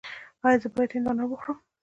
ایا زه باید هندواڼه وخورم؟